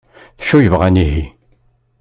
D acu ay bɣan ihi?